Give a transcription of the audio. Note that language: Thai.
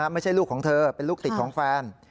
ไม่ใช่ลูกของเธอเป็นลูกติดของแฟน